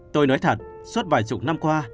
tôi nói thật suốt vài chục năm qua